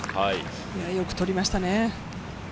よく取りましたね。